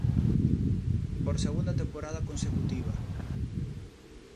Por segunda temporada consecutiva.